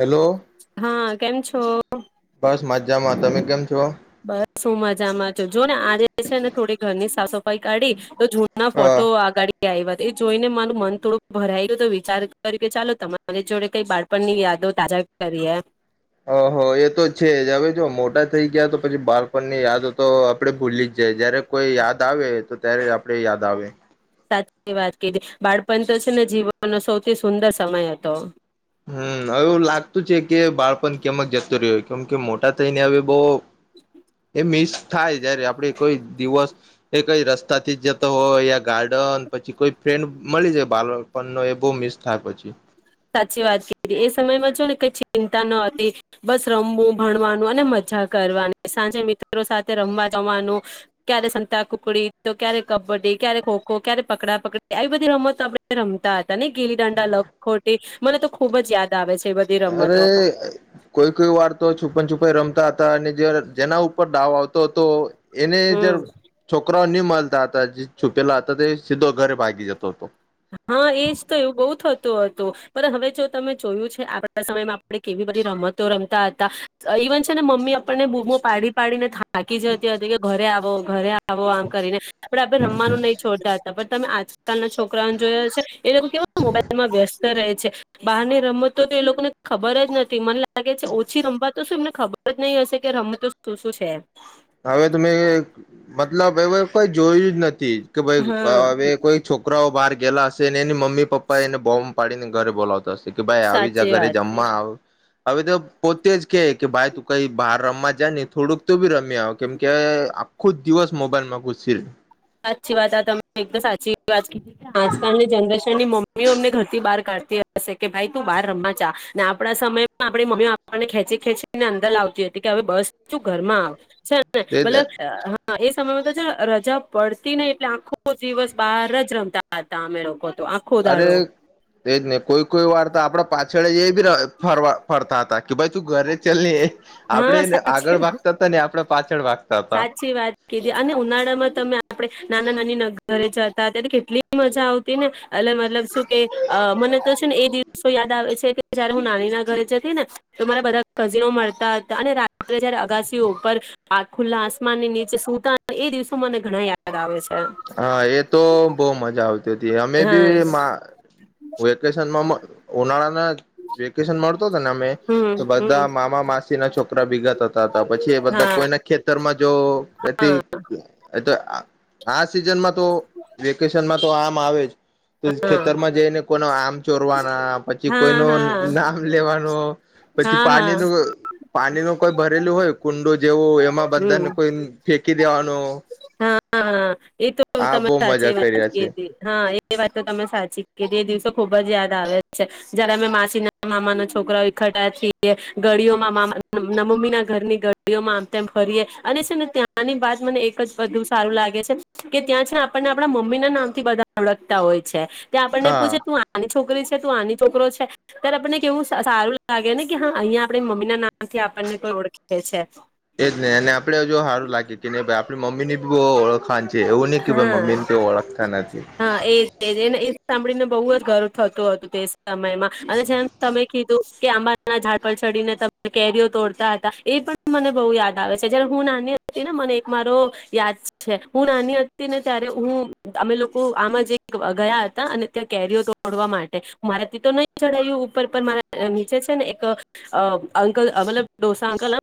Hello હા કેમ છો? જામા તમે કેમ છો બસ હું મજામાં છું જો ને આજે છે ને થોડી ઘરની સાફ સફાઈ કાઢી તો જૂના હા ફોટો આગાડી આઇવા એ વાત એ જોઈને મારું મન થોડું ભરાઈ તો વિચાર [unintelligible] ચાલો તમારી જોડે કઈ બાળપણની યાદો તાજા કરીએ એમ. અ હો એ તો છે જ હવે જો મોટા થઈ ગયા તો પછી બાળપણ ને યાદ તો આપડ ભૂલી જ જાય જયારે કોઈ યાદ આવે તો ત્યારે આપણે યાદ આવે. સાચી વાત કીધી બાળપણ તો છે ને જીવનનો સૌથી સુંદર સમય હતો. હમ્મ‌ હવે લાગતું છે કે બાળપણ કેમક જતું રહ્યો કેમ કે મોટા થઈને હવે બો મિસ થાય જયારે આપણે કોઈ દિવસ એ કઈ રસ્તા થી જ જતો હોય યા ગાર્ડન પછી કોઈ ફ્રેન્ડ મળી જાય બાલપણ નો એ બો મિસ થાય પછી. સાચી વાત કીધી એ સમયમાં જો ને કઈ ચિંતા ન હતી બસ રમવું ભણવાનું અને મજા કરવાની સાંજે મિત્રો સાથે રમવા જવાનું ક્યારે સંતા કુકડી, તો ક્યારે કબડ્ડી, ક્યારે ખોખો, ક્યારે પકડા પકડી આવી બધી રમતો આપણે રમતા હ તને ગીલી દંડા લગ તે મને તો ખુબ જ યાદ આવે છ અરે કોઈ કોઈ વાર તો છુપન છુપાઈ રમ તા હતા અને જ્યારે જેના ઉપર ડાવ આવતો તો એને હમ જ છોકરા ન્યુ મળલતા હતા જે છુપેલા હતા તે સીધો ઘરે ભાગી જતો હતો. હા એજ તો એવું બહુ થતું હતું પણ હવે જો તમે જોયું છે આપણા સમયમાં આપણે કેવી બધી રમતો રમતા હતા, ઇવન છે ને મમ્મી આપણને બૂમો પાડી પાડીને થા થાકી જતી હતી કે ઘરે આવ. ઓ ઘરે આવો આમ કરીને પણ આપડે રમવાનું નહી છોડતા હતા બટ તમે આજકાલના છો કરાંત જોયો છે. એ લોકો કેવા મોબાઈલમાં વ્યસ્ત રહે. છે બહાર ની રમતો તો એ લોકોને ખબર જ નથી મને લાગે છે ઓછી રમવા તો શું એમને ખબર જ નહી હશે કે રમતો શું શું છે. હવે તમે મતલબ એવે કોઈ જોયું જ નથ તે કે ભાઈ હા હવે કોઈ છોકરાઓ બાર ગેલા હશે ને અની મમ મમ્મી પપ્પા એને બોમ્બ પાડીને ઘરે બોલાવતા હશે કે ભાઈ આવી જ સાચી વાત ઘરે જમવા આવ હવે તો પોતે જ કે કે ભાઈ તું કઈ બહાર રમવા જ ને થોડુંક તો બી રમ્યા આવે કેમ કે આખો જ દિવસ મોબાઈલ માં ઘુસી ર સાચી વાત આ તમે એકદ સાચી વાત કીધ આજકાલની જનરેશન ની મમ્મીઓ અમને ઘરથી બહાર કાઢતી હશે કે ભાઈ તું બહાર રમવા ચા ને આપડા સમયમાં આપણી મમ્મી આપણને ખેંચી ખેંચીને અંદર લાવતી હતી કે હવે બસ તું ઘરમાં આવ. છે ને તે મતલબ હા એ સમયમાં તો જે રજા પડતી નઈ એટલે આખો દિવસ બહાર જ રમતા હતા અમે લોકો. તો આખો અરે દાડો તેજ નહી કોઈ કોઈ વારતા આપડ પાછ છેડે જે ફરવા ફર તા તા કે ભાઈ તું ઘરે ચલને એ હા આપડે સાચે આગળ વાગતા હતા ને આપડા પાછળ વાગતા તા સાચી વાત કીધી અને ઉનાળામાં તમે આપણે નાના નાની નગરે જતા ત્યારે કેટલી મજા આવતી ને. એલે મતલબ શું કે મને તો છે ને એ દિવ શું યાદ આવે છે કે જયારે હું નાની ના ઘરે જતી ને તો મારા બધા ખઝનો મળરતા હતા અને રાત્રે જયારે અગાસીઓ ઉપર આ ખુલ્લા આસમાન ની નીચે સુતા એ દિવસો મને ઘણા યાદ આવે છે હા એ તો બવ મજા આવતી હ અમે હા બી વેકેશનમાં ઉનાળા વેેકેશન મ ને અમે હમ તો બધા હમ મામા માસ તેના છો કરા ભીગા થતા હતા પછી એ બધા હા કોઈને ખેતરમાં જો હા આ સિઝનમાં વેકેન તો આમ આવે જ. તો ખેતરમાં જઈને કોઈનો આમ ચોરવાના હા પછી હા કોઈનો હા નામ લેવાનો, પછી હા હા પાણી ન પાણી ન કોઈ ભરેલું હોય કુંડો જેવું એમાં હમ બધાને કોઈ કી નો હા એ તો તમે સાચી વાત છે હા એ વાત તો તમે સાચી કે એ દિવસો ખુબ જ યાદ આવે છે, જયારે અમે માછીના મામા ન છોકરા ખટાીએ ગડીઓમાં મામા નમ્મી ના ઘરની ગળઓમાંમ તેમ ફરીએ, અને છે ને ત્યાંની બાત મને બધું સારું લાગે છે, કે ત્યાં છે આપણને આપણા મમ્મી ના નામ થી બધા ઓળખતા હોય છે. ત્યાં આપણને પૂછે હા તું આની છોકરી તું આની છોકરો છે, ત્યારે આપણને કેવું સારું લાગે ને કે અહીંયા આપણી મમ્મી ના નામથી આપણને કોઈ ઓળખે છે. એજ નહ અને આપડે જો સારું લાગે કે આપની મમ્મીની બ ઓળખવાનું છે એવું નહ કે ભાઈ હા મમ્મી ને કોઈ ઓળખતા નથી. હા એજ એજ એને એ સાંભળીને બહુ જ ગર્વ થતો હતું તે સમયમાં, અને જેમ તમે કીધું કે આંબાના ઝાડ પર ચડીને ત કેરીઓ તોડતા હતા, એ પણ મને બહુ યાદ આવે છે જયારે હું નાની હતી ને મને એક મારો યાદ હું નાની હતી ને ત્યારે હું અમે લોકો આમાં જે ગયા હતા અને ત્યાં કેરીઓ તોડવા માટે, મારાથી તો નહી જડાયું ઉપર પર મારા નીચે છે ને એક, અંકલ મતલબ ડોસા અંકલ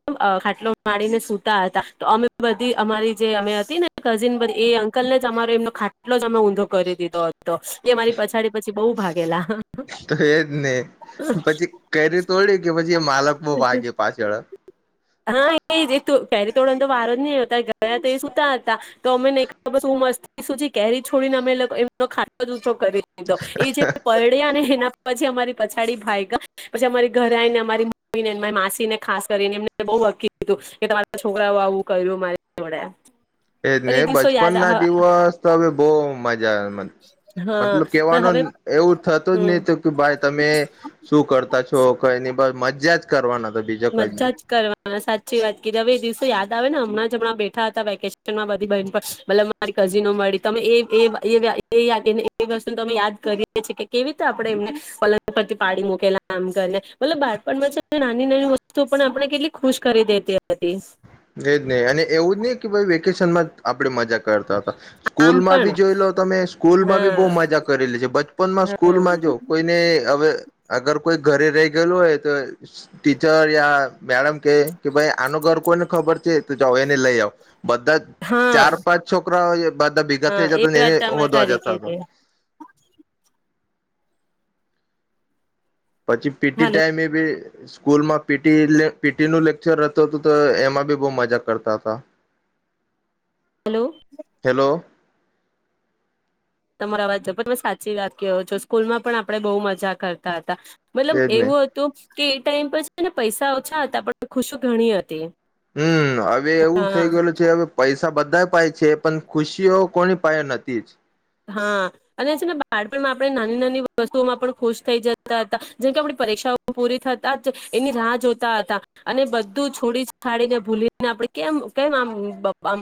ખાટલો મારીને સતા હતા, તો અમે બધી અમારી જે અમે ને કઝિન એ અંકલ ને જ અમારો એમનો ખાટલો જ અમે ઊંધો કરી દીધો હતો, એ મારી પછડી પછી બઉુ ભાગેલા. તો એજ નહી, પછી કેરી તોડી કે પછી એ માલક બહ ભાગે પાછળ. હા એ ફેરી તોડનો તો વારો જ નહીતા ગયા તો એ સુતા હતા. તો અમેને મસ કેરી છોડીને અમે ખાટો કરી દીધો, એ જે પડ્યા ને એના પછી અમારી પછાડી ભાઈ ગ પછી અમારી ઘરે આવીને અમારી મમ્મીનેરી માસીને ખાસ કરીને એમને બકીધું, કે તમારા છોકરાઓ આવું કર્યું માયા એજ ને બચપન ના દિવસ તો હવે બઉ મજા હા મતલબ પણ કેવાનું હવે એવું થતું જ હમ નહ કે ભાઈ તમે શું કર પાછો કઈની બ મજા જ કરવાના. તો બીજો કઈ નહી મજા જ કરવાના સાચી વાત ક હવે એ દિવસો યાદ આવે હમણાં જ હમણાં બેઠા હતા વેકેશનમાં બધી બરી કઝિનો મળી વસ્તુ અમે યાદ કરીએ છી કે કેવી રીતે આપથી પાડી મકેલામ બાપણ ના ના તો પણ આપણે કેટલી ખુશ કરી દેતી હતી. એજ નહ અને એવું જ નહિ કે ભાઈ વેકેશન માં આપડે મજા કરતા. આમ સ્કૂલમાં પણ ભી જોઈ લો તમે હા સ્કૂલમાં બી બહુ મજા કરેલી છે બચપનમાં હા સ્કૂલમાં જો કોઈને હવે અગર કોઈ ઘરે રહી ગયેલું હોય તો ટીચર યા મેડમ કે કે ભાઈ આનો ઘર કોઈને ખબર છે તો જાવ એને લઈ આવ. બધા હા ચાર પાંચ છો. [inaudible] બધા ભેગા હા થઈ જતા તો એ એને વાત તમે હોદવા ખરી જતા હતા કીધી પછી પીટી હલો ટાઈમે ભી સ્કૂલમાં પીટી લે પીટી નું લેક્ચર હતું. તો એમાં બી ખૂબ મજા કરતા હતા. હેલો. હેલો બરાબર. તમે સાચી વાત કહો છો સ્કૂલ માં પણ આપણે બહુ મજા કરતા કરતા. મતલબ એજ ને એવું હતું. કે એ ટાઈમ પર છે ને, પૈસા ઓછા હતા પણ ખુશી ઘણી હતી. હમ્મ હવે એવું હા થઈ ગયેલું છે હવે પૈસા બધા પાહે છે. પણ ખુશીઓ કોઈ પાહે નથીજ હા, અને છે ને, બાળપણમાં આપણે નાની-નાની વસ્તુઓમાં પણ ખુશ થઈ જતા હતા. જેમ કે આપણી પરીક્ષાઓ પૂરી થતા જ એની રાહ જોતા હતા. અને બધું છોડી-છાડીને, ભૂલીને, આપણે કેમ કેમ આમ આમ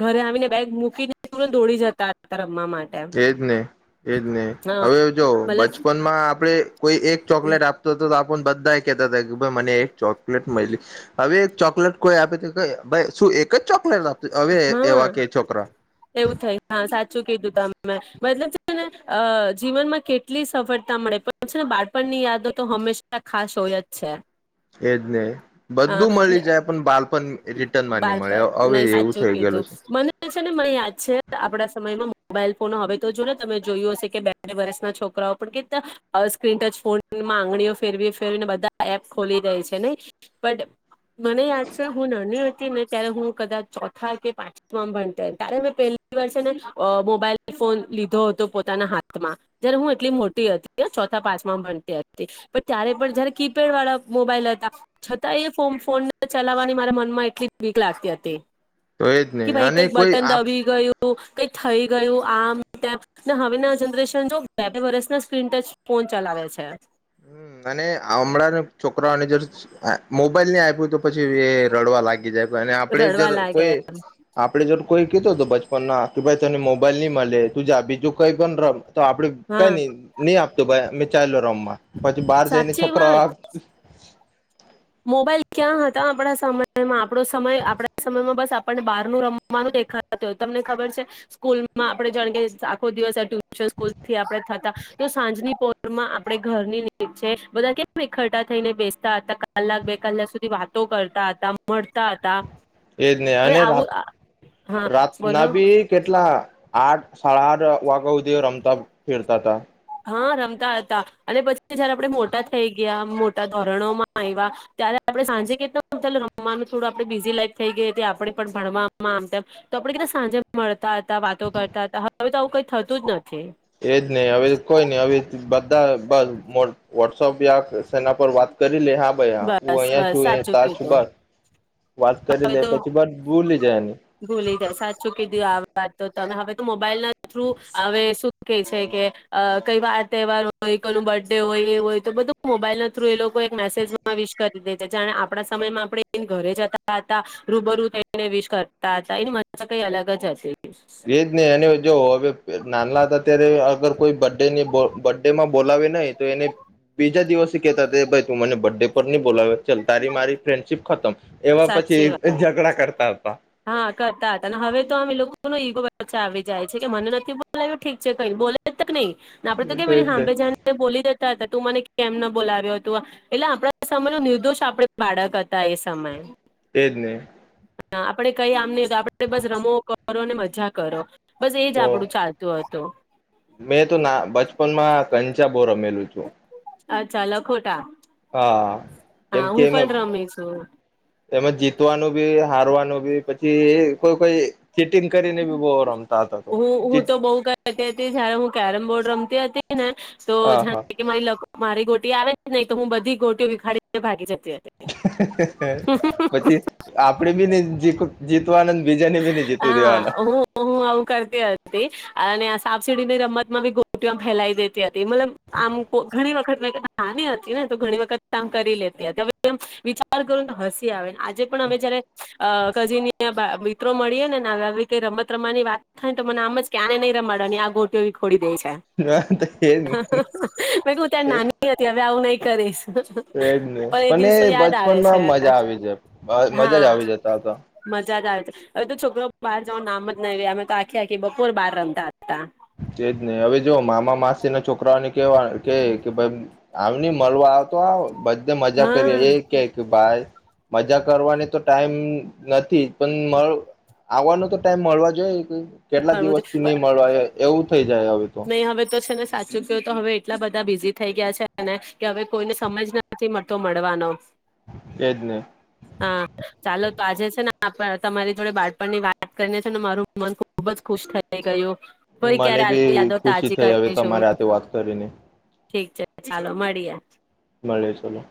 ઘરે આવીને બેગ મૂકીને તુરંત દોડી જતા. રમવા માટે એજ ને એજ ને હા હવે જો, મતલબ બચપનમાં આપણે કોઈ એક ચોકલેટ આપતો તો આપ બધા કહેતા હતા મને એક ચોકલેટ મળી. હવે એક ચોકલેટ કોઈ આપી દે, ભાઈ, શું એક જ ચોકલેટ આપે? હા, એવું થઈ હા, સાચું કીધું તમે. મતલબ છે ને જીવનમાં કેટલી સફળતા મળે પણ છે ને બાળપણની યાદો તો હંમેશા ખાસ હોય જ છે. એ જ ને, અ બધું મળી જાય પણ બાળપણ રિટર્નમાં નહીં મળે હવે એવું થઈ એ ગયેલું તો છે મને છે ને મને યાદ છે આપણા સમયમાં મોબાઈલ ફોન હવે તો જુઓ ને તમે જોયું હશે કે બે બે વર્ષના છોકરાઓ પણ કે, સ્ક્રીન ટચ ફોનમાં આંગળીઓ ફેરવી ફેરવીને બધા એપ ખોલી રહી છે નહીં, બટ મને યાદ છે, હું નાની હતી ને ત્યારે હું કદાચ હા પાંચમા ભણતી ત્યારે મેં પહેલી વાર ને મોબાઈલ ફોન લીધો હતો પોતાના હાથમાં, જયારે હું એટલી મોટી હતી ચોથા પાંચમા ભણતી હતી, પણ ત્યારે પણ જયારે કીપેડ વાળા મોબાઈલ હતા, છતાં એ ફોન ચલાવવાની મારા મનમાં એટલી વીક લાગતી હતી. તો એ જ ને અને કોઈ આપ કંઈ થઈ ગયું આમ તેમ, હવે ના જનરેશન જો, બે બે વર્ષના સ્ક્રીન ટચ ફોન ચલાવે છે. હમ અને હમણાં છોકરાઓને જો મોબાઈલ નહીં આપ્યું તો પછી એ રડવા લાગી જાય. અને આપડે રડવા જ લાગે કોઈ આપડે કોઈ કહેતો હતો બાળપણમાં કે ભાઈ તને મોબાઈલ નહીં મળે તું જા બીજું કંઈ પણ રમ. તો આપડે હા કંઈ નહીં નહીં આપ તો ભાઈ અમે ચાલો રમવા. પછી બહાર જઈને સાચી વાત છોકરા મોબાઈલ ક્યાં હતા આપણા સમયમાં? આપણું સમય આપણા સમયમાં બસ આપણને બહારનું રમવાનું દેખાતું, તમને ખબર છે, સ્કૂલમાં આપણે જાણે કે આખો દિવસ ટ્યુશનથી, સ્કૂલથી થતા, તો સાંજની પોરમાં આપણે ઘરની નીચે બધા કેમ એકઠા થઈને બેસતા હતા. કલાક બે કલાક સુધી વાતો કરતા હતા મળતા હતા. એ જ ને હવે અને આવું રાત હા રાતના બોલો બી કેટલા આઠ સાડા આઠ વાગા હુથ જે રમતા ફિરતા તા. હા, રમતા હતા અને પછી જયારે આપડે મોટા થઈ ગયા, મોટા ધોરણોમાં આવ્યા ત્યારે આપણે સાંજે કેટલા રમવાનું? થોડું આપડે બિઝી લાઈફ થઈ ગઈ હતી. આપડે પણ ભણવામાં આમ તેમ તો આપડે કે સાંજે મળ મળતા હતા વાતો કરતા હતા હવે તો આવુ કઈ થતું જ નથી. એજ. ને નહી હવે કોઈ નહી હવે બધ બસ પર મો વોટ્સઅપ યા સેના પર વાત કરી પૂછી લે હા ભાઈ હા હું બસ અહંયા બસ છું એ સાચું કયું [unintelligible] વાત તો કરી હવે લે તો પછી બટ ભૂલી જાય એને. તા ના હવે તું આમોબાઈલના થ્રુ હવે શું કે છે કે આ કઈ વાર તહેવાર હોય કોઈ નો બર્થ ડે હોય એ હોય તો બધું મોબાઈલ ના થ્રુ એ લોકો એક મેસેજમાં માં વિશ કરી દે છે જાણે આપણા સમયમાં આપણે એ ઘરે જતા હતા રૂબરૂ જઈને વિશ કરતા હતા. એની મજા કઈ અલગ જ હતી. એજ ને અને જો હવે નાલા હતા અત્યારે અગર કોઈ બર્થ ડે ની હોય બર્થ ડે માં બોલાવે નહીં તો એને બીજા દિવસે કેહેતા હતા ભાઈ તું મને બ ડે પર ની બોલાવે ચલ તારી મારી ફ્રેન્ડશીપ ખતમ. એવા પછી સાચી વાત ઝઘડા કરતા હતા હા કરતા હતા ને હવે તો અમે લોકો [unintelligible] ઈગો વચ્ચે આવી જાય છે. કે મને નથી બોલાવ્યું ઠીક છે. કઈ બોલે તક નહીં. આપડે તો કેમ એજ એની ને હામ્બે જઈને બોલી દે કહેતા હતા તું મને કેમ ના બોલાવ્યો તું આ એટલે આપણા સમય નિર્દોષ આપણે બાળક હતા એ સમયે. તને ના આપડે કઈ આમ નઈ તો આપડે બસ રમો કરો ને મજા કરો. બસ એજ તો આપડું ચાલતું હતું. તો મેં તો ના બચપનમાં આ કં ચ બો રમેલું છું. અચ્છા લખોટા. હા. કેમ હા કે હું એમાં પણ રમી છું એમાં જીતવાનું બી હારવાનું બી પછી કોઈ કોઈ ચીટિંગ કરીને બી બો રમ હું હું તો બઉ કરતી હતી જયારે હું કેરમ બોર્ડ રમ તે હતી. ને તો હા હા ઝાંખી કે મારી લખો મારી ગોટી આવે નહી તો હું બધી ગોટીઓ વિખાડીને ભાગી જ હા હા હા હા પછી આપડે બી ને જીત જીતવાનંદ હા હું હું આવું કરતી હતી, અને આ સાપ સીડી ની રમતમાં બી ગોટીઓ આમ ફેલાઈ દેતી હતી. તે મતલબ આમ કો ઘણી વખત મે નાાની હતી ને તો ઘણી વખત કામ કરી લેતી હતી હવે એમ, વિચાર કરું તો હસી આવે. આજે પણ અમે જયારે આ કજિની એ બા બી મળીએ નેવે આવી રીતે રમત રમવાની વાત થાય તો મને આમ જ કે આને નહીં રમાડવાની આ ગોટીઓ વીખોડી દઈ છેં. એજ હ મે કહ્યુ ત્યારે હું નાની હતી હવે આવું નહી કરીશ. પણ તો એજ ને એ પણએ દિવસો યાદ આવે બચપનમાં છે મજા આવી જ મજા જ હા આવી જતા હતા. [inaudible] હવે તો છોકરાઓ બહાર જવાનું નામ જ નય લે અમે તો આખી આખી બપોર બહાર રમતા હતા. તેજ ને હવે જો મામા માસી ના છોકરાઓની કે વા કે કેભાઈ આવની મળવા આવતો આવો બધે મજા કરીએ હા એક એક ભાઈ મજા કરવાની તો ટાઈમ નથી. પણ મળ આવવાનો તો ટાઈમ મળવા જોઈએ. કેટલા દિવસ થી નઈ મળવા આવ્યોએ. એવું થઈ જાય હવે તો નહી હવે તો છે ને સાચું કયોં તો હવે એટલા બધા બિઝી થઈ ગયા છેને કે, હવે કોઈને સમજ નથી મળતો મળવાનો. એજ ને હા ચાલો આજે છેને, આપ તમારી જોડે બાળપણ ની વાત કરીને છે ને, મારું મન ખુબ જ ખુશ થઈ ગયૂ. મને બી ખુશી થઈ હવે, કરીશું તમારી હાથે વાત કરીને. ઠીક છે! ચાલો મળીએ. મળીએ ચલો